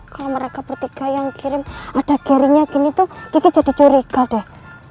kalau mereka bertiga yang kirim ada garingnya gini tuh kiki jadi curiga deh